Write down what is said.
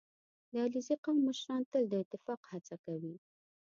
• د علیزي قوم مشران تل د اتفاق هڅه کوي.